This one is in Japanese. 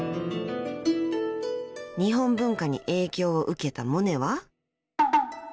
［日本文化に影響を受けたモネは］